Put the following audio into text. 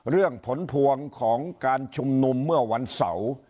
เรื่องผลพวงของการชุมนุมเมื่อวันเสาร์